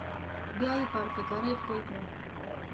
بيا يې پر ککرۍ ښکل کړه.